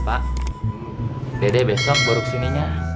pak dede besok baru kesininya